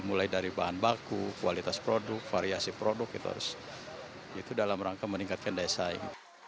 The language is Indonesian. mulai dari bahan baku kualitas produk variasi produk itu harus itu dalam rangka meningkatkan daya saing